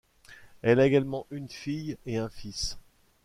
Elle a également une fille et un fils.